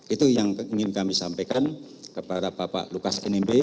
itu yang ingin kami sampaikan kepada bapak lukas nmb